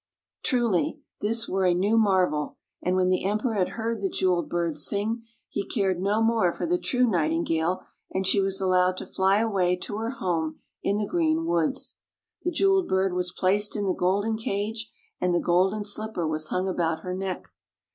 Truly this were a new marvel, and when the Emperor had heard the jeweled bird sing, he cared no more for the true nightin gale, and she was allowed to fly away to her home in the green woods. The jeweled bird was placed in the golden cage, and the golden slipper was hung about her neck.